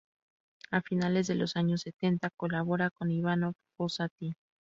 A finales de los años setenta, colabora con Ivano Fossati.